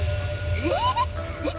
えっ？